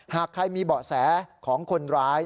หากใครมีเบาะแสของคนร้าย